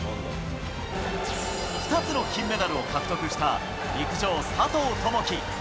２つの金メダルを獲得した陸上・佐藤友祈。